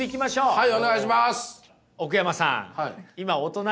はい！